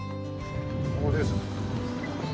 ここですね。